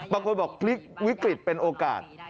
บางคนบอกพลิกวิกฤตเป็นโอกาส